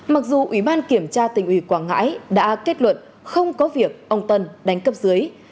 mặc dù ủy ban kiểm tra tỉnh ủy quảng ngãi đã kết luận không có việc ông tân đánh cấp dưới